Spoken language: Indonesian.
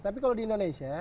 tapi kalau di indonesia